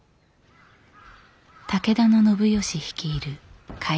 武田信義率いる甲斐